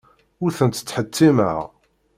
Ur tent-ttḥettimeɣ.